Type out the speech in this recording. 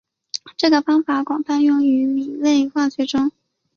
这个方法广泛用于甾类化学中。